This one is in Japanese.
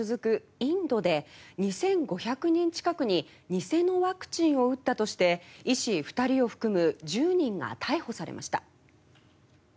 インドで２５００人近くに偽のワクチンを打ったとして医師２人を含む１０人が逮捕されました。